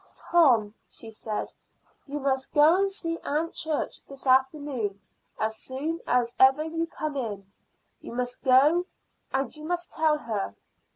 "Tom," she said, "you must go and see Aunt Church this afternoon as soon as ever you come in. You must go, and you must tell her."